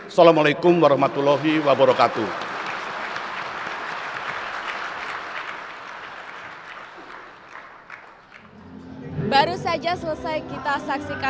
assalamu alaikum warahmatullahi wabarakatuh